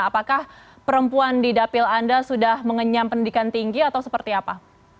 apakah perempuan di dapil anda sudah mengenyam pendidikan tinggi atau seperti apa